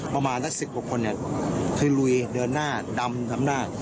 ประมาณนักศึกบุคคลเนี่ยคือลุยเดินหน้าดำดำหน้า